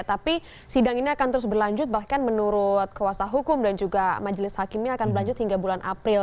tapi sidang ini akan terus berlanjut bahkan menurut kuasa hukum dan juga majelis hakimnya akan berlanjut hingga bulan april